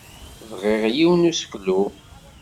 Bbiɣ yiwen n useklu.